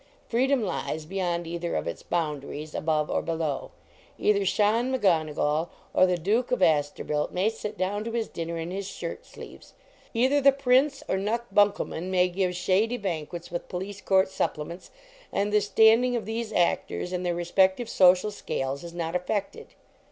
Free dom lies beyond cither of its boundaries, above or below. Either Shaun McGonegal or the Duke of Astorbilt may sit down to his dinner in his shirt sleeves; either the Prince or Knuck Buncoman may give shady ban quets with police court supplements, and the standing of these actors, in their respective social scales, is not affected.